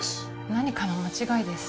何かの間違いです